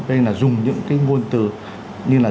đây là dùng những cái ngôn từ như là